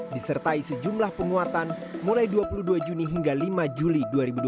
disertai sejumlah penguatan mulai dua puluh dua juni hingga lima juli dua ribu dua puluh